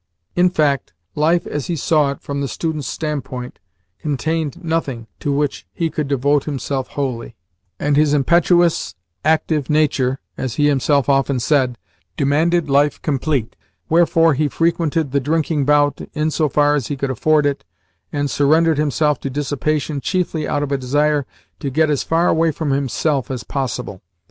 In fact, life, as he saw it from the student's standpoint, contained nothing to which he could devote himself wholly, and his impetuous, active nature (as he himself often said) demanded life complete: wherefore he frequented the drinking bout in so far as he could afford it, and surrendered himself to dissipation chiefly out of a desire to get as far away from himself as possible.